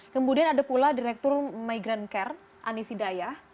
kemudian ada pula direktur migrant care anisidaya